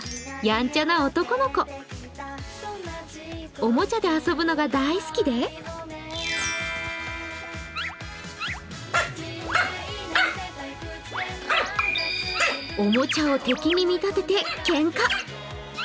おもちゃで遊ぶのが大好きでおもちゃを敵に見立ててけんか。